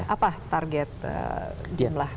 apa target jumlah